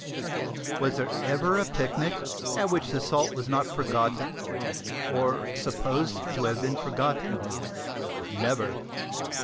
Was there ever a picnic at which the salt was not forgotten, or supposed to have been forgotten? Never!